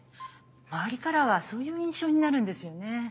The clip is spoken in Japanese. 周りからはそういう印象になるんですよね。